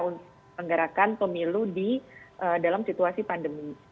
untuk menggarakan pemilu di dalam situasi pandemi